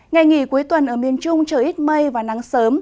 ngày nghỉ cuối tuần ở miền trung trời ít mây và nắng sớm